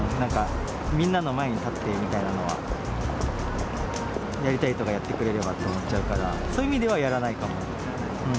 みんなの前に立って、みたいなのはやりたい人がやってくれればと思っちゃうからそういう意味ではやらないかも。